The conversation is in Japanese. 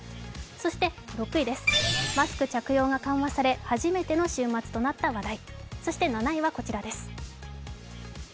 そして、６位ですマスク着用が緩和され初めての週末となった話題。